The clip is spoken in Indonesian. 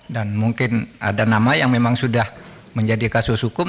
mungkin ada nama yang memang sudah menjadi kasus hukum